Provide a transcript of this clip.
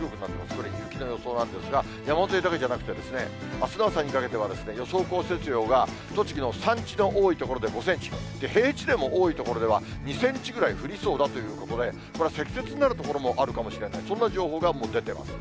これ、雪の予想なんですが、山沿いだけじゃなくて、あすの朝にかけては、予想降雪量が、栃木の山地の多い所で５センチ、平地でも多い所では２センチぐらい降りそうだということで、これは積雪になる所もあるかもしれない、そんな情報がもう出てます。